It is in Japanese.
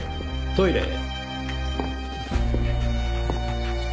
トイレへ。